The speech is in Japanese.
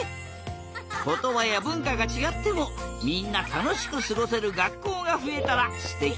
ことばやぶんかがちがってもみんなたのしくすごせるがっこうがふえたらすてきだな！